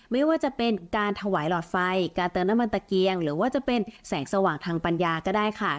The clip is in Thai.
ไม่ว่าจะเป็นการถวายหลอดไฟการเติมน้ำมันตะเกียงหรือว่าจะเป็นแสงสว่างทางปัญญาก็ได้ค่ะ